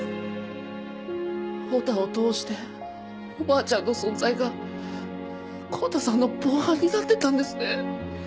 オタを通しておばあちゃんの存在が康太さんの防犯になってたんですね。